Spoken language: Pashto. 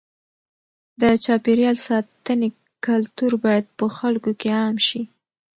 د چاپېریال ساتنې کلتور باید په خلکو کې عام شي.